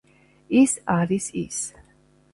ის არის ის